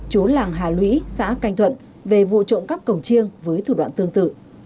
chú làng hà lũy xã canh thuận về vụ trộm cắp cổng chiêng với thủ đoạn tương tự